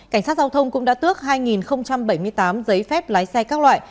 cảnh sát giao thông cũng đã tước hai bảy mươi tám giấy phép lái xe các loại